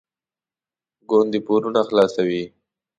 ګوندې پورونه خلاصوي.